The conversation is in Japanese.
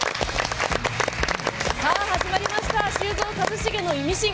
さあ始まりました「修造＆一茂のイミシン」。